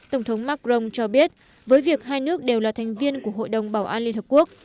tổng thống macron cho biết với việc hai nước đều là thành viên của hội đồng bảo an liên hợp quốc